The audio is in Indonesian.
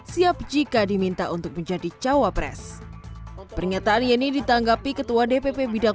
siap jika diminta untuk menjadi cawapres pernyataan yeni ditanggapi ketua dpp bidang